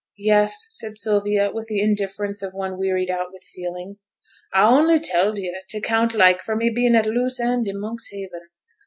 'Yes!' said Sylvia, with the indifference of one wearied out with feeling. 'A only telled yo' t' account like for me bein' at a loose end i' Monkshaven.